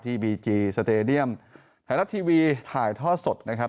บีจีสเตดียมไทยรัฐทีวีถ่ายท่อสดนะครับ